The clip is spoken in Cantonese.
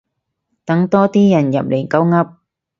等多啲人入嚟鳩噏